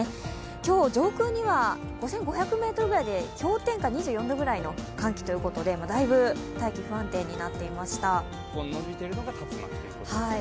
今日、上空には５５００ｍぐらいで氷点下２４度ぐらいの寒気ということで、だいぶ大気が不安定になっていました。